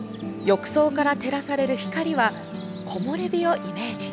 浴槽から照らされる光は木漏れ日をイメージ。